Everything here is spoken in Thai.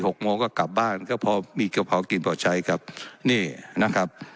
โมงก็กลับบ้านก็พอมีกระพอกินพอใช้ครับนี่นะครับ